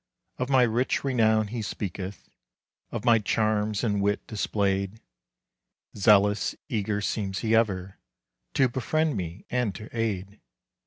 Of my rich renown he speaketh, Of my charms and wit displayed. Zealous, eager seems he ever To befriend me and to aid.